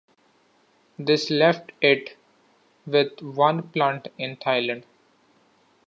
This left it with one plant in Thailand.